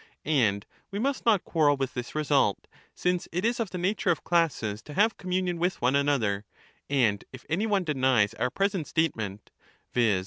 And we must not quarrel with this result, since it is of the nature of classes to have communion with one another ; and if any one denies our present statement [viz.